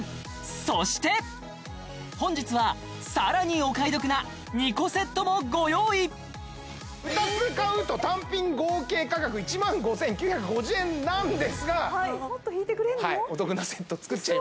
そして本日はさらにお買い得な２個セットもご用意２つ買うと単品合計価格１５９５０円なんですがはいお得なセット作っちゃいました